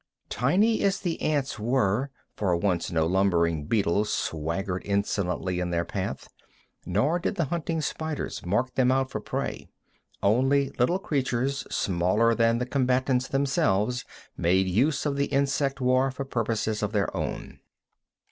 Tiny as the ants were, for once no lumbering beetle swaggered insolently in their path, nor did the hunting spiders mark them out for prey. Only little creatures smaller than the combatants themselves made use of the insect war for purposes of their own.